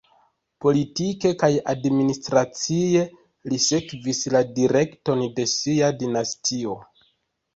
Politike kaj administracie li sekvis la direkton de sia dinastio.